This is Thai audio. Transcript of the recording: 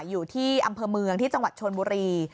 อยู่ที่อำเภอเมืองที่จังหวัดชนบุรี